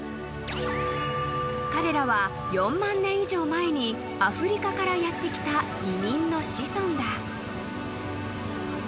［彼らは４万年以上前にアフリカからやって来た移民の子孫だ］